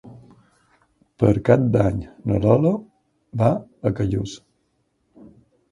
Per Cap d'Any na Lola va a Callús.